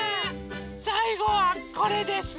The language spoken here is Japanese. さいごはこれです。